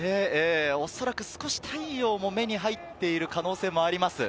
おそらく少し太陽も目に入っている可能性もあります。